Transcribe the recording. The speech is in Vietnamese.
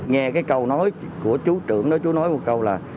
nghe cái câu nói của chú trưởng đó chú nói một câu là